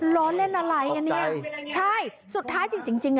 ล้อเล่นอะไรอย่างเนี้ยขอบใจใช่สุดท้ายจริง